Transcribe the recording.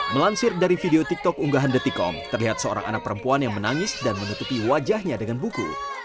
melansir dari video tiktok unggahan detikom terlihat seorang anak perempuan yang menangis dan menutupi wajahnya dengan buku